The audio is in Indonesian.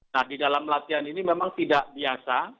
nah di dalam latihan ini memang tidak biasa